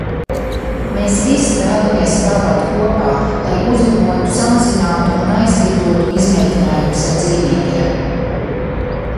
Mēs visi vēlamies strādāt kopā, lai uzlabotu, samazinātu un aizvietotu izmēģinājumus ar dzīvniekiem.